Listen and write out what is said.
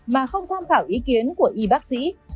mà không tham khảo ý kiến của y bác sĩ